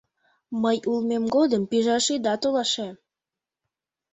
Мый улмем годым пижаш ида толаше!